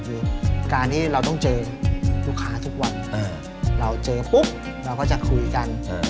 คือการที่เราต้องเจอลูกค้าทุกวันเราเจอปุ๊บเราก็จะคุยกัน